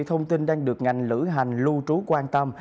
thông tin đang được ngành lữ hành lưu trú quan tâm